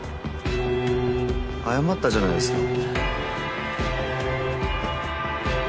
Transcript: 謝ったじゃないですか。